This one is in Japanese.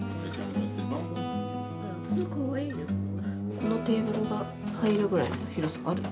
このテーブルが入るぐらいの広さはあるの？